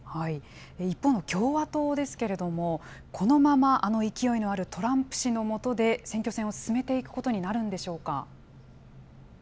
一方の共和党ですけれども、このまま、あの勢いのあるトランプ氏の下で、選挙戦を進めていくことになるのでしょうか。